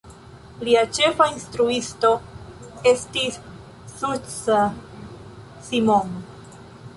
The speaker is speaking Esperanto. Lia ĉefa instruisto estis Zsuzsa Simon.